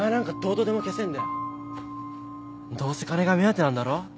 どうせ金が目当てなんだろ。